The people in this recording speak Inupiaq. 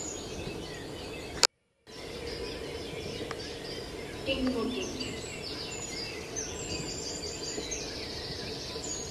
tiŋŋutit